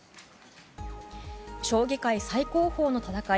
将棋界最高峰の戦い